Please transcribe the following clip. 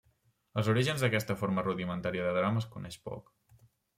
Els orígens d'aquesta forma rudimentària de drama es coneix poc.